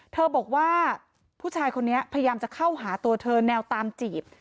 เธอบอกว่าผู้ชายคนนี้พยายามจะเข้าหาตัวเธอแนวตามจีบ